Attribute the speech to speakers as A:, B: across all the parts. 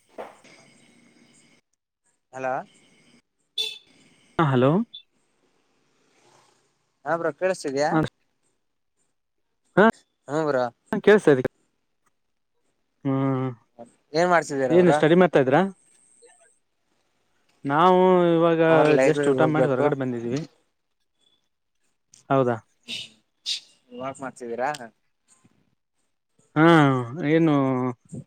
A: [inaudible] Hello.
B: ಹಾಂ hello.
A: ಹಾ bro ಕೇಳಿಸ್ತಿದಿಯಾ. ಹ್ಮ ಬ್ರೊ.
B: ಹಾ ಕೇಳಸ್ತಾಯಿದೆ ಅ ಹ್ಮ.
A: ಏನ್ ಮಾಡ್ತಿದೀರ ಬ್ರೊ.
B: ತದ್ರಾ ನಾವು ಇವ ತ
A: ಅವ್ರ
B: ಜಸ್ಟ್
A: ಲೈಬ್ರರಿಗ್
B: ಊಟ ಮಾಡಿ
A: ಹೋಗ್ಬೇಕು
B: ಹೊರಗಡೆ ಬಂದಿದೀವಿ ಹೌದಾ.
A: ಹ್ ಚ್ ವಾಕ್ ಮಾಡ್ತಿದ್ದೀರಾ.
B: ಹಾಂ ಏನು.
A: ಹ್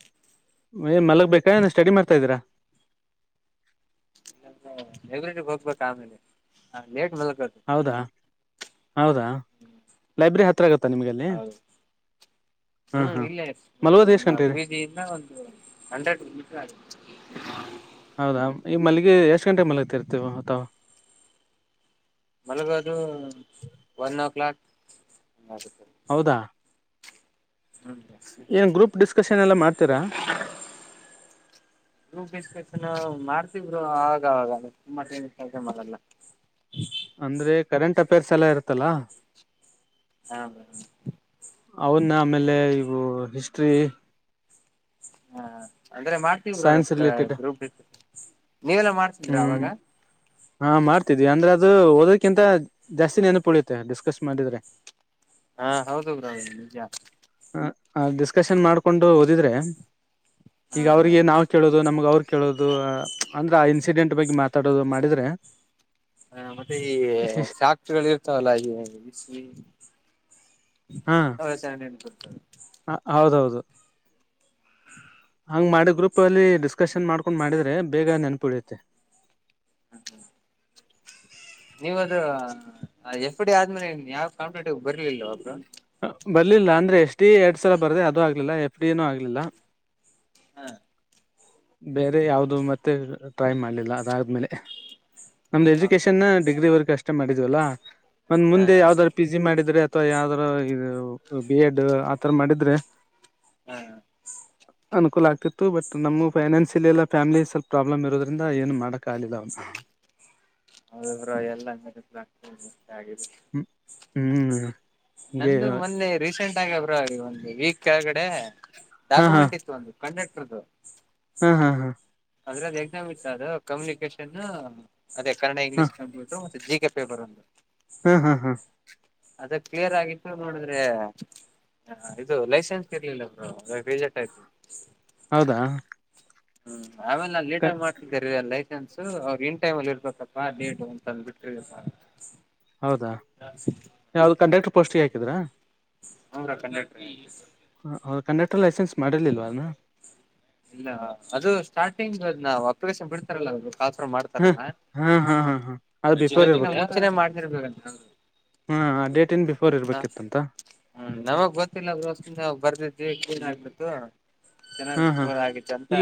B: ಏ ಮಲಗ್ ಬೇಕಾ ಏನ್ ಸ್ಟಡಿ ಮಾಡ್ತಾ ಇದೀರಾ.
A: ಲೈಬ್ರರಿಗ್ ಹೋಗ್ಬೇಕ ಆಮೇಲೆ ನಾವ್ ಲೇಟ್ ಮಲಗದು.
B: ಹೌದಾ ಹೌದಾ ಲೈಬ್ರರಿ ಹತ್ರಿರಾಗತ್ತಾ ನಿಮಗಲ್ಲಿ.
A: ಹೌದು ಹ್ಮ್ ಇಲ್ಲೇ ನಮ್ಮ
B: ಗಂಟೆ ಇದೆ
A: ಪ್ರೀಜಿಯಿಂದ ಒಂದು ಹಂಡ್ರೆಡ್ ಮೀಟರ್ ಆಗ
B: ಹೌದಾ ಈ ಮಲ್ಲಿಗೆ ಎಷ್ಟ್ ಗಂಟೆ ಮಲಗತಿರ್ತೀವ ತಾವು.
A: ಮಲಗೋದು ಒನ್ ಓ ಕ್ಲಾಕ್ ಆಗುತ್ತೆ.
B: ಹೌದಾ.
A: ಹ
B: ಏನ್ ಗ್ರೂಪ್ ಡಿಸ್ಕಶನ್ ಎಲ್ಲಾ ಮಾಡ್ತೀರಾ.
A: ಗ್ರೊಪ್ ಡಿಸ್ಕಶನ್ ಮಾಡ್ತಿವ್ ಬ್ರೊ ಆವಾಗಾವಾಗ ತುಂಬಾ ಟೈಮ್ ಇತ್ತಂದ್ರೆ ಮಾಡಲ್ಲ.
B: ಅಂದ್ರೆ ಕರೆಂಟ್ ಅಫೇರ್ಸ್ ಎಲ್ಲಾ ಇರುತ್ತಲ್ಲಾ.
A: ಹಾ ಬ್ರೊ.
B: ಅವುನ್ನ ಆಮೇಲೆ ಇವು ಹಿಸ್ಟ್ರೀ.
A: ಹಾ ಅಂದ್ರೆ ಮಾಡ್ತವ್ bro
B: science related
A: group discussion ನೀವೆಲ್ಲಾ ಮಾಡ್ತಿದ್ರಾ
B: ಹ್ಮ್
A: ಅವಾಗ.
B: ಹಾ ಮಾಡ್ತಿದ್ವಿ ಅಂದ್ರೆ ಅದು ಓದದ್ಕಿಂತ ಜಾಸ್ತಿ ನೆನಪುಳಿಯುತ್ತೆ ಡಿಸ್ಕಸ್ ಮಾಡಿದ್ರೆ.
A: ಹಾ ಹೌದು ಬ್ರೊ ನಿಜ.
B: ಹ ಅ ಡಿಸ್ಕಶನ್ ಮಾಡ್ಕೊಂಡು ಓದಿದ್ರೆ
A: ಹಾ
B: ಈಗ
A: ಹಾ
B: ಅವ್ರಿಗೆ ನಾವ ಕೇಳದು ನಮ್ಗ್ ಅವ್ರು ಕೇಳೋದು ಅಂದ್ರೆ ಆ ಇನ್ಸಿಡೆಂಟ್ ಬಗ್ಗೆ ಮಾತಾಡೋದು ಮಾಡಿದ್ರೆ.
A: ಹಾ ಮತ್ತೆ ಈ ಸಾಫ್ಟ್ ವೇರ್ ಇರ್ತಾವಲ್ಲ ಈ ಬಿಸಿಲಿ
B: ಹಾಂ
A: ಅವ ಸೆವೆವಿನ್. [unintelligible]
B: ಆ ಹೌದೌದು. ಹಂಗ್ ಮಾಡಿ ಗ್ರೂಪ್ ಅಲ್ಲಿ ಡಿಸ್ಕಶನ್ ಮಾಡ್ಕೊಂಡು ಮಾಡಿದ್ರೆ ಬೇಗ ನೆನಪುಳಿಯುತ್ತೆ.
A: ನೀವ ಅದು ಆ ಫ್ ಡಿ ಆದ್ಮೇಲೆ ಯಾವ್ ಕಾಂಪ್ಟೇಟಿವ್ ಬರ್ಲಿಲ್ವಾ ಬ್ರೊ.
B: ಬರ್ಲಿಲ್ಲ ಅಂದ್ರೆ ಎಷ್ಟ ಡಿ ಎ ಎರಡ್ ಸಲ ಬರದೆ ಅದು ಆಗ್ಲಿಲ್ಲ ಎಫ್ ಡಿ ಎ ನೂ ಆಗ್ಲಿಲ್ಲ.
A: ಹಾ
B: ಬೇರೆ ಯಾವ್ದು ಮತ್ತೆ ಟ್ರೈ ಮಾಡ್ಲಿಲ್ಲ ಅದಾದ್ಮೇಲೆ. ನಮ್ದ್
A: ಹೌದಾ
B: ಎಜುಕೇಶನ್ ಡಿಗ್ರಿ ವರೆಗ ಅಷ್ಟೇ ಮಾಡಿದ್ವಲ್ಲ ಒಂದ್
A: ಹಾ
B: ಮುಂದೆ
A: ಹಾ
B: ಯಾವ್ದಾದ್ ಪೀಜಿ ಜಿ ಮಾಡಿದ್ರೆ ಅಥವಾ ಯಾವ್ದಾರ ಇ ಬಿ ಎಡ್ ಆತರ ಮಾಡಿದ್ರೆ.
A: ಹಾ ಹಾ
B: [inaudible] ಅನುಕೂಲ ಆಗ್ತಿತ್ತು ಬಟ್ ನಮ್ ಫೈನಾನ್ಸಿಯಲಿಲೆಲ್ಲ ಫ್ಯಾಮಿಲಿ ಸ್ವಲ್ಪ್ ಪ್ರಾಬ್ಲಮ್ ಇರೋದ್ರಿಂದ ಏನು ಮಾಡಕ್ ಆಗಿಲ್ಲ ಅವಾಗ.
A: ಬಿಡು ಬ್ರೊ ಎಲ್ಲ [unintelligible] ಆಗಿದೆ.
B: ಹ್ಮ್ ಹ್ಮ್ ಹೀಗೆ
A: ನಂದು ಮೊನ್ನೆ ರೀಸೆಂಟ್ ಆಗೆ ಬ್ರೊ ಒಂದು ವೀಕ್ ಕೆಳಗಡೆ
B: ಹಾ
A: ಡಾಕ್ಯುಮೆಂಟ್ ಇತ್ತು ಒಂದು. ಕಂಡಟ್ರದು.
B: ಹಂ ಹಂ ಹಾ
A: ಅಂದ್ರೆ ಅದು ಎಕ್ಸಾಮ್ ಇತ್ತು ಅದು ಕಮ್ಯುನಿಕೇಶನ್ ಅದೇ ಕನ್ನಡ
B: ಹಾ
A: ಇಂಗ್ಲೀಷ್ ಕಂಪ್ಯೂಟರ್ ಮತ್ತೆ ಜಿ ಕೆ ಪೇಪರ್ ಒಂದ.
B: ಹ್ಮ್ ಹ್ಮ್ ಹ್ಮ್
A: ಅದ ಕ್ಲಿಯರ್ ಆಗಿತ್ತು ನೋಡಿದ್ರೆ. ಹಾ ಇದು ಲೈಸೆನ್ಸ್ ಇರ್ಲಿಲ್ಲ ಬ್ರೋ ರಿಜೆಕ್ಟಾಯ್ತು.
B: ಹೌದಾ
A: ಹ್ಮ್ ಆಮೇಲ್ ನಾ ಲೇಟಾಗ್ ಮಾಡ್ತಿದಿದ್ಯಾರಿ ಲೈ ಸೆನ್ಸ ಅವ್ ಇನ್ ಟೈಮಲ್ಲಿರ್ಬೇಕಪ್ಪ ಲೇಟು ಅಂತ ಅಂದ್ಬಿಟ್ರು ಮಾ.
B: ಹೌದಾ
A: ಹ [unintelligible]
B: ಯಾವ್ದ ಕಂಡಕ್ಟರ್ ಪೋಸ್ಟಿಗ್ ಹಾಕಿದ್ರಾ.
A: ಅಂದ್ರ ಕಂಡಕ್ಟ್ರಿ.
B: ಹ ಕಂಡಕ್ಟರ್ ಲೈಸೆನ್ಸ್ ಮಾಡಿರ್ಲಿಲ್ವಾ ಅವ್ನು.
A: ಇಲ್ಲ ಅದು ಸ್ಟಾರ್ಟಿಂಗದ್ ನಾವು ಅಪ್ಲಿಕೇಶನ್ ಬಿಡ್ತಾರಲ್ಲ ಕಾಲ್ಫ್ರಾಮ್ ಮಾಡ್
B: ಹಾ
A: ತಾರಲ್ಲಾ
B: ಹಾ ಹಾ ಹಾ ಹಾ ಅದು ಬಿಫೋರ್
A: ಅದಕ್ಕಿಂತ
B: ಇರ್ಬೇಕಿತ್ತು
A: ಮುಂಚೆನೆ ಮಾಡ್ಸಿರ್ಬೇಕಂತ ರಿ ಹೌದ.
B: ಹಾ ಆ ಡೇಟ್ ನ್ ಬಿಫೋರ್ ಇರ್ಬೇಕಿತ್ತಂತ.
A: ಹ್ಮ್ ನಮಗ್ ಗೊತ್ತಿಲ್ಲ ಬ್ರೊ ಸುಮ್ನೆ ಹೊಗ್ಬರ್ದೀದ್ವಿ ಕ್ಲಿಯರ್ ಆಗ್ಬಿಡ್ತು
B: ಹಾ
A: ಚೆನ್ನಾಗ್
B: ಹಾ
A: ಪರಾಗಿತ್ತು ಅಂತ
B: ಈ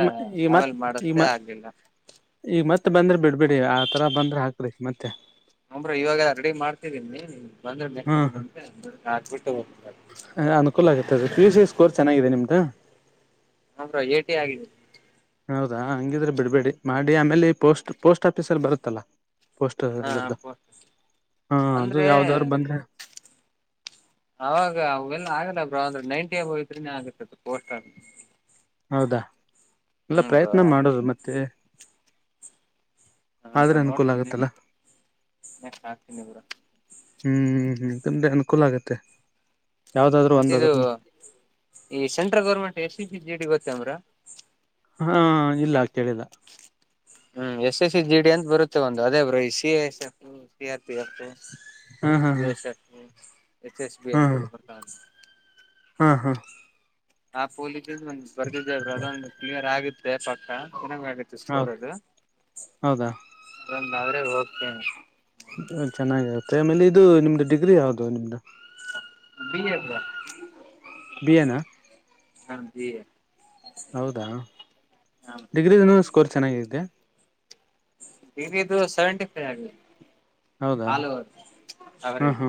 A: ಆಮೇಲೆ ಮಾಡಸ್ದೆ ಆಗ್ಲಿಲ್ಲ.
B: ಈಗ್ ಮತ್ತೆ ಬಂದ್ರೆ ಬಿಡ್ಬೇಡಿ ಆ ತರ ಬಂದ್ರೆ ಹಾಕ್ಬಿಡಿ ಮತ್ತೆ.
A: ಹು ಬ್ರೋ ಇವಾಗ ರೆಡಿ ಮಾಡ್ತಿದೀನಿ ಬಂದ್ರ ನೆಕ್ಸ್ಟ್ ಟೈಮ್ ಬಂದ್ರೆ ಹಾಕ್ಬಿಟ್ಟು. ಹೋಗ್ತಾರೆ
B: ಎ ಅನುಕೂಲ ಆಗತ್ತದ ಪಿಯುಸಿ ಸ್ಕೋರ್ ಚೆನ್ನಾಗಿದೆ ನಿಮ್ದು.
A: ಹಾ ಬ್ರೊ ಎಟ್ಟಿ ಆಗಿದೆ.
B: ಹೌದಾ ಹಂಗಿದ್ರೆ ಬಿಡ್ಬೇಡಿ ಮಾಡಿ ಆಮೇಲೆ ಪೋಸ್ಟ್ ಪೋಸ್ಟ್ ಆಫೀಸಲ್ಲಿ ಬರುತ್ತಲ್ಲಾ. ಪೋಸ್ಟ
A: ಹಾ
B: ಇದರ್ದ ಹಾ ಅದು
A: ಅಂದ್ರೆ
B: ಯಾವ್ದಾದ್ರು ಬಂದ್ರೆ.
A: ಆವಾಗ ಅವೆಲ್ಲ ಆಗಲ್ಲ ಬ್ರೋ ಅಂದ್ರೆ ನೈಂಟಿ ಅಬೊವ್ ಇದ್ರೇ ನೆ ಆಗತ್ತ ಅದ ಪೋಸ್ಟ್.
B: ಹೌದಾ ಇಲ್ಲ
A: ಹ್ಮ್ ಬ್ರೋ
B: ಪ್ರಯತ್ನ
A: ಆದ್ರೂ
B: ಮಾಡೋದು ಮತ್ತೆ.
A: ಹಾ
B: ಆದ್ರೆ
A: ಬ್ರೊ
B: ಅನುಕೂಲ
A: ನೋಡ್ತೀನಿ
B: ಆಗತ್ತಲ್ಲ
A: ನೆಕ್ಸ್ಟ್ ಹಾಕ್ತೀನಿ ಬ್ರೋ.
B: ಹ್ಮ್ ಹ್ಮ್ ಹ್ಮ ನಿಮಗೆ ಅನುಕೂಲ ಆಗತ್ತೆ. ಯಾವ್ದಾದ್ರು
A: ಮತ್ತೆ ಇದು
B: ಒಂದಾದ್ರನು
A: ಈ central government S C C G D ಗೊತ್ತೇನ್ ಬ್ರೋ.
B: ಹಾಂ ಇಲ್ಲ ಕೇಳಿಲ್ಲ.
A: ಹ್ಮ್ S S C G D ಅಂತ ಬರುತ್ತೆ ಒಂದು ಅದೇ ಬ್ರೊ ಈ C A S F C R P F.
B: ಹಾ ಹಾ
A: B S F S S B
B: ಹಾ ಹಾ
A: ಅಂತೆಲ್ಲಾ ಬರ್ತಾವಲ್ಲ.
B: ಹಾ ಹಾ
A: ಆ ಪೋಲೀಸದ ಒಂದ್ ಬರದಿದ್ದೆ ಬ್ರೋ ಅದೊಂದು ಕ್ಲಿಯರ್ ಆಗತ್ತೆ ಪಕ್ಕಾ ಚೆನ್ನಾಗ್ ಆಗುತ್ತೆ ಸ್ಕೋರ್
B: ಹೌದು
A: ಅದು.
B: ಹೌದಾ
A: ಅದೊಂದಾದ್ರೆ ಹೋಗ್ತೇನೆ.
B: ಚೆನ್ನಾಗಿರುತ್ತೆ ಆಮೇಲೆ ಇದು ನಿಮ್ದು ಡಿಗ್ರಿ ಯಾವ್ದು ನಿಮ್ದು.
A: BA bro.
B: ಬಿ ಎ ನಾ.
A: ಹಾ ಬಿ ಎ.
B: ಹೌದಾ
A: ಹಾ ಬ್ರೋ.
B: ಡಿಗ್ರಿದುನು ಸ್ಕೋರ್ ಚೆನ್ನಾಗೈತೆ.
A: ಬಿ ಬಿ ದು ಸೆವೆಂಟಿಫೈ ಆಗಿದೆ
B: ಹೌದಾ
A: ಆಲ್ ಓವರ್ ಆವರೇಜ್.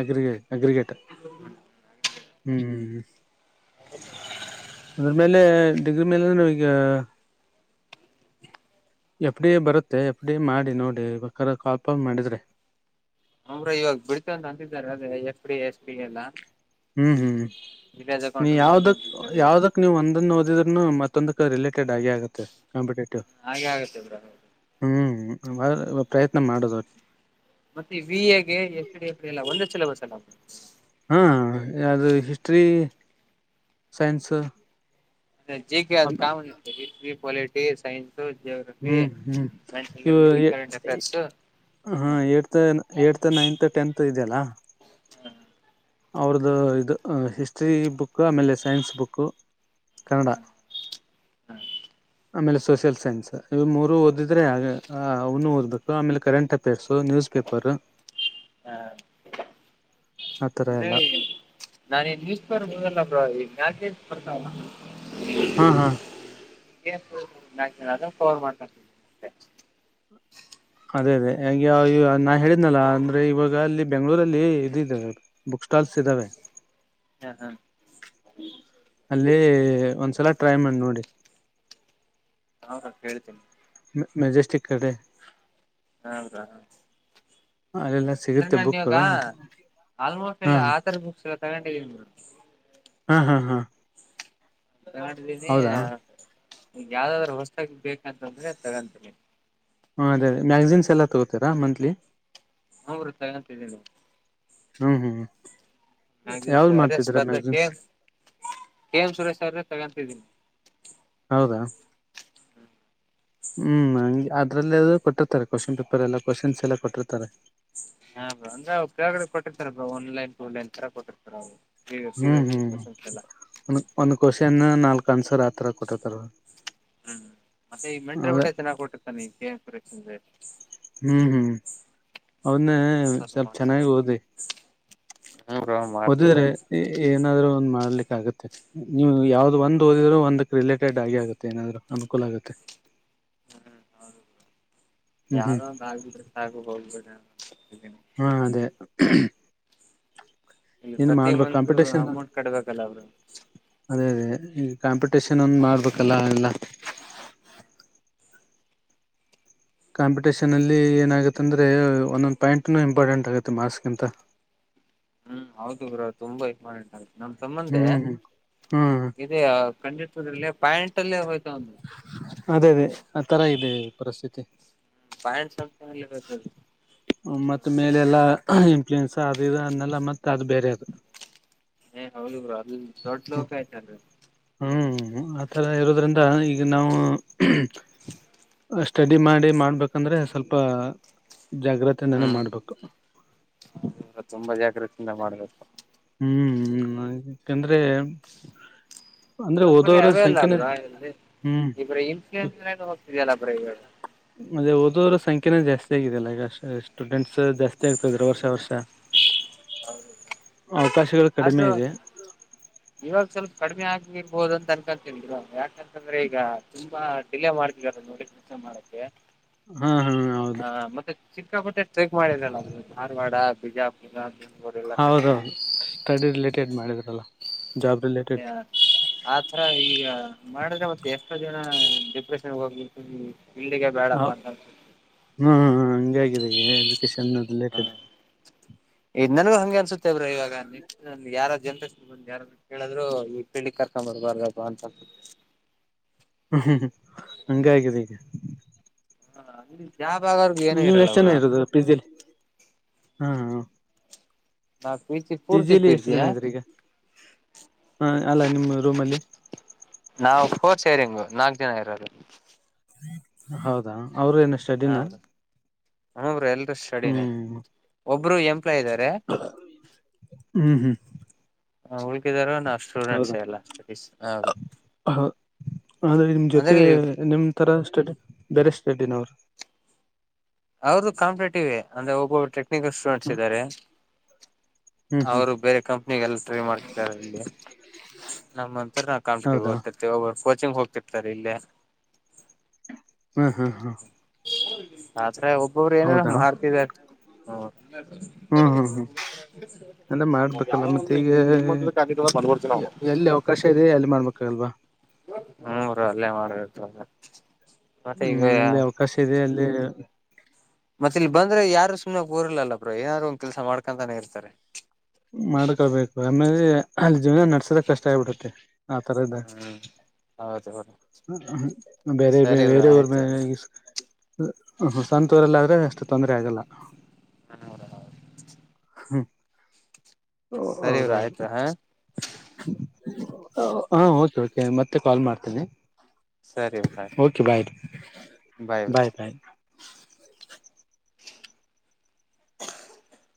B: ಅಗ್ರಿಗ ಅಗ್ರಿಗೇಟ ಹ್ಮ್.
A: [inaudible]
B: ಅದ್ರ ಮೇಲೆ ಡಿಗ್ರಿ ಮೇಲೆ ನಾವೀಗ. ಎಫ್ ಡಿ ಎ ಬರುತ್ತೆ ಎಫ್ ಡಿ ಎ ಮಾಡಿ ನೋಡಿ ಕಾಲ್ಫ್ರಮ್ ಮಾಡಿದ್ರೆ.
A: ಹುಂ ಬ್ರೋ ಇವಾಗ ಬಿಡ್ತಂತ ಅಂದಿದಾರೆ ಅದ F D A S D A ಎಲ್ಲಾ.
B: ಹ್ಮ್ ಹ್ಮ್ ನೀ
A: ಬಿಡ್ತೀವಿ
B: ಯಾವ್ದಕ್
A: ಅಂತಿದ್ದಾರೆ
B: ಯಾವ್ದಕ್ ನೀವ್ ಒಂದನ್ ಓದಿದ್ರುನು ಮತ್ತೊಂದಕ್ಕ ರಿಲೇಟೆಡ್ ಆಗೇಆಗತ್ತ ತೆ ಕಾಂಪಿಟೇಟಿವ್
A: ಹಾಗೆ ಆಗುತ್ತೆ ಬ್ರೋ
B: ಹ್ಮ್ ಬ ಪ್ರಯತ್ನ ಮಾಡದು ಒಟ್
A: ಮತ್ತೆ ವಿ ಎ ಗೆ ಎಸ್ ಡಿ ಎಫ್ ಡಿ ಎಲ್ಲ ಒಂದೇ ಸಿಲೆಬಸ್ ಅಲ್ಲ.
B: ಹ್ಮ್ ಅದು ಹಿಸ್ಟ್ರಿ ಸೈನ್ಸ್.
A: ಜಿ ಕೆ ಅದು
B: ಹ್ಮ್
A: ಕಾಮನ್ ಇರತ್ತೆ ಹಿಸ್ಟ್ರಿ ಪೊಲಿಟಿ ಸೈನ್ಸ್. ಸು ಜೋಗ್ರಾಫಿ
B: ಹ್ಮ್
A: ಮೆಂಟಲ್ ಎಬಿಲಿಟಿ ಕರೆಂಟ್ ಅಫೇರ್ಸು.
B: ಹ್ಮ್ ಹ್ಮ್ ಏಟ್ತ್ ಏಟ್ತ್ ನೈನ್ತ್ ಟೆಂತ್ ಇದೆಯಲ್ಲ. ಅವ್ರದು ಇದು ಹಿಸ್ಟ್ರಿ ಬುಕ್ ಆಮೇಲೆ ಸೈನ್ಸ್ ಬುಕ್. ಕನ್ನಡ. ಆಮೇಲೆ ಸೋಷಿಯಲ್ ಸೈನ್ಸ್ ಇ ಮೂರು ಓದಿದ್ರೆ ಅಗ ಅವನು ಓದ್ಬೇಕು ಆಮೇಲೆ ಕರೆಂಟ್ ಟಪೇರ್ಸು ನ್ಯೂಸ್ ಪೇಪರು.
A: ಹಾ
B: ಆತರ
A: ಅಂದ್ರೆ
B: ಎಲ್ಲ
A: ನಾನೇನ್ ನ್ಯೂಸ್ ಪೇಪರ್ ಓದಲ್ಲಪ ಬ್ರೊ ಈ ಪ್ಯಾಕೇಜ್ ಬರ್ತಾವಲ.
B: ಹಾಂ ಹಾಂ
A: [unintelligible] ಫೋನ್ ಮಾಡಾತಿ. [unintelligible]
B: ಅದೇ ಅದೇ ಹ ಯ ಯ ನಾ ಹೇಳಿದ್ನಲ್ಲ ಅಂದ್ರೆ ಇವಾಗ ಅಲ್ಲಿ ಬೆಂಗ್ಳೂರಲ್ಲಿ ಇದುದೆ. ಬುಕ್ ಸ್ಟಲ್ಸ ಇದಾವೆ.
A: ಹಾ ಹಾ.
B: ಅಲ್ಲಿ ಒಂದ್ಸಲ ಟ್ರೈ ಮಾಡಿ ನೋಡಿ.
A: ಹಾ ಹೇಳ್ತೀನಿ.
B: ಮೆಜೆಸ್ಟಿಕ್ ಕಡೆ.
A: ಹೌದ.
B: [unintelligible]
A: ಅಂದ್ರೆ ನಾನು
B: ಬುಕ್
A: ಇವಾಗ
B: ಹಾ
A: ಆಲ್ಮೋಸ್ಟ್ ಎಲ್ಲ ಆಥಾರ್ ಬುಕ್ಸ್ ಎಲ್ಲ ತಗೊಂಡಿದೀನಿ ಬ್ರೋ.
B: ಹಾ ಹಾ ಹಾ.
A: ತಗೊಂಡಿದ್ದೀನಿ
B: ಹೌದಾ
A: ಯಾವ್ದಾದ್ರ ಹೊಸ್ತಕ್ ಬೇಕಂತಂದ್ರೆ ತಗೊಂತೀನಿ.
B: ಹಾಂ ಅದೇ ಅದೇ ಮ್ಯಾಜ್ಗಿನ್ಸ್ ಎಲ್ಲ ತಗೋತೀರಾ ಮಂತ್ಲಿ.
A: ಬೌದ್ದಿಕ ತೋಗೊಂತಿದಿನಿ.
B: ಹ್ಮ ಹ್ಮ್.
A: ಮ್ಯಾಗಿನ್ಸ್
B: ಯಾವ್ದ್
A: ಅದೇ
B: ಮಾಡ್ತಿದೀರಾ
A: ಸ್ಪರ್ಧೆ ಕೆ
B: ಮ್ಯಾಗಝಿನ್ಸ್
A: ಮ್ ಸುರೇಶ್ ಅವ್ರ್ದೇ ತಗೊಂತಿದ್ದೀನಿ.
B: ಹೌದಾ. ಹ್ಮ್ ಅದ್ರಲ್ಲ ಕೊಟ್ಟಿರ್ತಾರೆ ಕ್ವೆಶ್ಚನ್ ಪೇಪರ್ ಎಲ್ಲ ಕ್ವಶನ್ಸ್ ಎಲ್ಲ ಕೊಟ್ಟಿರ್ತಾರೆ.
A: ಹಾ ಬ್ರೋ ಅಂದ್ರ ಅವ ಕೆಳಗಡೆ ಕೊಟ್ಟಿರ್ತಾರ bro one line two line ತರ ಕೊಟ್ಟಿರ್ತಾರ ಅವು. [unintelligible]
B: ಒಂದ ಒಂದ್ ಕ್ವಶನ್ ನಾಲ್ಕ್ ಆನ್ಸರ್ ಆತರ ಕೊಟ್ಟತಾರ ಅವ್ರು.
A: ಹ್ಮ್ ಮತ್ತೆ ಈ ಮೆಂತ್ರಿ ಬಿಟ್ಟೆ ಚೆನ್ನಾಗ್ ಕೊಟ್ಟಿರ್ತಾನಕ್ಷೆ.
B: ಹ್ಮ್ ಹ್ಮ್. ಅವನ್ನ
A: ಅಂದ್ರೆ
B: ಸ್ವಲ್ ಚೆನ್ನಾಗಿ
A: ಮಾಡ್ತ
B: ಓದಿ
A: ಹ್ಮ ಬ್ರೋ
B: ಓದಿರಿ.
A: ಮಾಡ್ತಿದ್ದೀನಿ
B: ಏನಾದ್ರು ಒಂದ್ ಮಾಡ್ಲಿಕ್ಕ ಆಗುತ್ತೆ. ನೀವು ಯಾವ್ದ್ ಒಂದ್ ಓದಿದ್ರರು ಒಂದಕ್ ರಿಲೇಟೆಡ್ ಆಗಿ ಆಗತ್ತೆ ಏನಾದ್ರು ಅನುಕೂಲ ಆಗುತ್ತೆ. ಹ್ಮ್
A: ಯಾವ್ದ
B: ಹ್ಮ್
A: ಒಂದು ಆಗಬ್ರೆ ಸಾಕು. [unintelligible]
B: ಹಾ ಅದೇ.
A: ಇಲ್ಲಿ
B: ಏನ್
A: ಪ್ರತಿ
B: ಮಾಡ್ಬೇಕು
A: ಮತ್
B: ಕಾಂಪಿಟೇಷನ್
A: ಅಮೌಂಟ್ ಕಟ್ಬೇಕಲ್ಲ ಅವರು.
B: ಅದೇ ಅದೇ ಈಗ ಕಾಂಪಿಟೇಷನ್ ಒಂದ ಮಾಡ್ಬೇಕಲ್ಲ ಎಲ್ಲ. ಕಾಂಪಿಟೇಷನ್ ಅಲ್ಲಿ ಏನಾಗುತ್ತೆಂದ್ರೆ ಒಂದೊಂದು ಪಾಯಂಟ್ನು ಇಂಪಾರ್ಟೆಂಟ್ ಆಗುತ್ತೆ ಮಾರ್ಸ್ಗಿಂತ.
A: ಹ್ಮ್ ಹೌದು ಗುರ ತುಂಬಾ ಇಂಪಾರ್ಟೆಂಟ್ ಆಗ ನಮ್ ತಮ್ಮಂದೆ.
B: ಹ್ಮ್ ಹ್ಮ್
A: ಅ ಕಂಡಿತಲ್ಲ ಪ್ಯಾಂಟ್ ಅಲ್ಲೇ ಹೋಯ್ತ ಒಂದು.
B: ಅದೇ ಅದೇ ಆ ತರ ಇದೆ ಪರಿಸ್ಥಿತಿ.
A: ಪಾಯನ್ಸ.
B: ಮತ್ತ ಮೇಲೆ ಎಲ್ಲಾ ಇನ್ಫ್ಲೂಯೆನ್ಸ್ ಅದು ಅನ್ನಲ್ಲ ಮತ್ತ ಅದು ಬೇರೆ. ಅದು
A: ಏ ಹೌದು ಬ್ರೋ ಅದು ದೊಡ್ ಲೋಕ ಒತ್ತಿ ಬ್ರೋ.
B: ಈ ಥರ ಇರೋದರಿಂದ ಈಗ ನಾವು.
A: [inaudible]
B: ಅಷ್ಟ ಡಿಮಾಂಡ ಮಾಡಿ ಮಾಡ್ಬೇಕಂದ್ರೆ ಸ್ವಲ್ಪ ಜಾಗ್ರತಿಂದಾನೇ
A: ಹ್ಮ್
B: ಮಾಡ್ಬೇಕು.
A: ತುಂಬಾ ಜಾಗ್ರತಿಂದ ಮಾಡ್ಬೇಕು.
B: ಹ್ಮ್ ಯಾಕಂದ್ರೆ. ಅಂದ್ರೆ
A: ಇವಾಗ ಬ್ರೋ
B: ಓದೋರ
A: ಅವೇ
B: ಸಂಖ್ಯೆನ
A: ಅಲ್ಲಾಬ್ರಾ ಇಲ್ಲಿ
B: ಹ್ಮ್
A: ಈ ಬ್ರೋ ಇನ್ಸೂರೆನ್ಸ್ ಹೋಗ್ತಿದಲ್ಲ ಅ ಬ್ರೋ ಇವಾಗ.
B: ಮತ್ತೆ ಓದೋರ ಸಂಖ್ಯೆನ ಜಾಸ್ತಿ ಆಗಿದಲ್ಲ ಈಗ ಸ್ಟೂಡೆಂಟ್ಸ್ ಜಾಸ್ತಿ ಆಗ್ತಿದ್ದಾರೆ ವರ್ಷ ವರ್ಷ.
A: ಹೌದು.
B: ಅವಕಾಶಗಳು ಕಡಿಮೆ ಇದೆ.
A: ಇವಾಗ ಸ್ವಲ್ಪ ಕಡಿಮೆ ಆಗ್ರ್ಬಹುದು ಅಂತ ಅನ್ಕೊಂತಲ್ ಯಾಕಂತಂದ್ರೆ ಈಗ ತುಂಬಾ. ಡಿಲೇ ಮಾಡ್ತ ನೋಡಿ ಕೆಲಸ ಮಾಡಕ್ಕೆ
B: ಹಾ ಹಾ
A: ಹ
B: ಹೌದು
A: ಮತ್ತೆ ಸಿಕ್ಕಾಪಟ್ಟೆ. ಚೇಕ್ ಮಾಡಿಲ್ಲ ಬ್ರೋ ಧಾರವಾಡ ಬಿಜಾಪುರ ಅದು. ಅವರೆಳ್ಳ ಕಡೆೆಯಲ್ಲಿ.
B: ಹೌದೌದು ಸ್ಟಡಿ ರಿಲೇಟೆಡ್ ಮಾಡಿದ್ರಲ್ಲ ಜಾಬ್ ರಿಲೇಟೆಡ್
A: [unintelligible] ಆತರ ಈಗ ಮಾಡಿದ್ರೆ ಮತ್ತೆ ಎಷ್ಟೋ ಜನ ಡಿಪ್ರೆಷನ್ ಹೋಗ್ಬೇಕ. ಇಲ್ಲಿಗೆ ಬೇಡಪ್ಪಾ ಅಂತ.
B: ಹ್ಮ ಹಂಗೆ ಆಗಿದೆ ಎಜುಕೇಶನ್ ರಿಲೇಟೆಡ್.
A: ಇ ನನಗೂ ಹಂಗೆ ಅನ್ಸುತ್ತೇ ಬ್ರೋ ಇವಾಗ ಯಾರ ಜನ್ರ. ಒಂದ್ ಯಾರಾದು ಕೇಳಿದ್ರು ಈ ಪಿಳಿಗ್ ಕರ್ಕೊಂಡ ಬರ್ಬಾರ್ದ ಅಂತ.
B: ಹಂಗ ಆಗಿದೆ ಈಗ.
A: ಹ ಇಲ್ಲಿ ಯಾವ ಭಾಗವಗ ಏನೇ ಇರಲ್ಲ ಬ್ರೋ.
B: ಪಿಜಿಲ್ ಹ್ಮ.
A: ನಾ. [unintelligible]
B: ಪಿಜಿಲಿ ಎಷ್ಟು ಜನ ಇದ್ರ ಈಗ ಹ ಅಲ್ಲ ನಿಮ್ಮ್ ರೂಮ್ಲ್ಲಿ.
A: ನಾವು ಫೋರ್ ಸೇರಿಂಗು ನಾಲ್ಕ್ ಜನ ಇರೋದು.
B: ಹೌದಾ ಅವ್ರ ಏನಷ್ಟ.
A: ಹಾರು ಹಬರು ಎಲ್ರ ಸಡಿನೇ
B: ಹ್ಮ್
A: ಒಬ್ರು ಎಂಪ್ಲಾಯಿ ಇದ್ದಾರೆ.
B: ಹ್ಮ್ ಹ್ಮ್.
A: ಉಳ್ಕಿದಾರ ನಾವು ಸ್ಟೂಡೆಂಟ್ಸೇ ಎಲ್ಲ ಸ್ಟಡೀಸ್ ಹೌದು.
B: ಹಾ ಆದ್ರರೆ ನಿಮ್ಮ
A: ಅಂದ್ರೆ
B: ಜೊತೆ ನಿಮ್ಮ ಥರ ಸ್ಟಡಿ ಬೇರೆ ಸ್ಟಡಿನ ಅವರು.
A: ಅವ್ರರುದು ಕಾಂಪಿಟೇಟಿವ್ರೆ ಅಂದ್ರೆ ಒಬ್ಬೊಬ್ರು ಟೆಕ್ನಿಕಲ್ ಸ್ಟೂಡೆಂಟ್ಸ್ ಇದ್ದಾರೆ..
B: ಹ್ಮ್ ಹ್ಮ್
A: ಅವರು ಬೇರೆ ಕಂಪ್ನಿಗೆ ಎಲ್ಲ ಟ್ರೈ ಮಾಡ್ತಿದ್ದಾರೆ ಇಲ್ಲಿ. ನಮ್ಮಂತ್ರರ ನಾ ಕಾಂಪಿಟಿವ್
B: ಹೌದಾ
A: ಓದ್ತಿರ್ತತಿವಿ ಒಬ್ಬರು ಕೋಚಿಂಗ್ ಹೋಗ್ತಿರ್ತಾರೆ ಇಲ್ಲೆ.
B: ಹಾ ಹಾ ಹಾ.
A: ಆತ್ರ್ರ ಒಬ್ಬೊಬ್ರು ಏನೇನ
B: ಹೌದಾ
A: ಮಾಡ್ತಿದಾರ ಹ.
B: ಹ್ಮ್ ಹ್ಮ್ ಹ್ಮ್ ಅಂದ್ರೆ ಮಾಡ್ಬೇಕಲ್ಲ ಮತ್ತೆ ಈಗ
A: [unintelligible]
B: ಕಶೇರಿ ಅಲ್ಲಿ ಮಾಡ್ಬೇಕಲ್ವಾ.
A: ಹ್ಮರಿ ಅಲ್ಲೇ ಮಾಡ್ಬೇಕು.
B: ಹ್ಮ್ ಏಲ್ಲಿ ಅವಕಾಶ ಇದೆ ಅಲ್ಲಿ.
A: ಮತ್ತೆ ಇಲ್ಲಿ ಬಂದ್ರೆ ಯಾರು ಸುಮ್ಮನೆಓರ್ಲಲ್ಲ ಬ್ರೋ ಏನಾರು ಒಂದ ಕೆಲಸ ಮಾಡಕೊಂತಾನೇ ಇರ್ತಾರೆ.
B: ಮಾಡ್ಕೊಳ್ಬೇಕು ಆಮೇಲೆ ಅಲ್ಲಿ ಜೀವನ ನಡ್ಸದ ಕಷ್ಟ ಆಗ್ಬಿಡತ್ತೆ. ಆಥರ ಇದೆ.
A: ಹ್ಮ್ ಹೌದು ಹೌದು
B: ಬೇರೆ
A: ಸರಿ ಬ್ರೋ
B: ಬೇರೆ
A: ಆಯ್ತು
B: ಮೇಲೆ. [unintelligible] ಸಂತೋರೆಲ್ಲ ಆದ್ರೆ ಅಷ್ಟು ತೊಂದರೆ ಆಗಲ್ಲ. ಹ್ಮ.
A: ಸರಿ ಇವ್ರ ಆಯ್ತ್ ಹಾ.
B: ಹಾ ಓಕೆ ಓಕೆ ಮತ್ತೆ ಕಾಲ್ ಮಾಡ್ತೇನೆ.
A: ಸರಿ ಬ್ರೋ
B: ಓಕೆ ಬಾಯ್ ಬಾಯ್ ಬಾಯ್.
A: [inaudible]